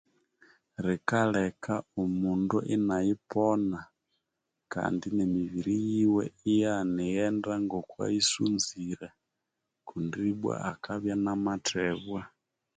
Rikaleka omundu inayiponakandi imibiriyiwe iyaghana nerighenda ngokwayisunzire kundi ibwa akabya inamathebwa